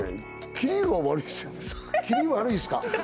キリ悪いですか？